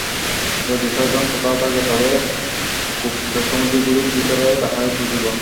যদি শয়তান কোথাও থাকে, তবে গুপ্তসমিতিগুলির ভিতরেই তাহাকে খুঁজিব।